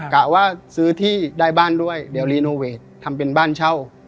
กะว่าซื้อที่ได้บ้านด้วยเดี๋ยวรีโนเวททำเป็นบ้านเช่า